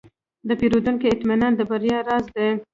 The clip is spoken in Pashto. د پیرودونکو اطمینان د بریا راز دی.